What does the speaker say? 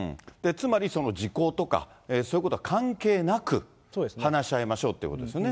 つまり時効とか、そういうことは関係なく話し合いましょうってことですよね。